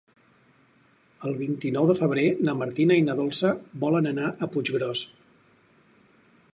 El vint-i-nou de febrer na Martina i na Dolça volen anar a Puiggròs.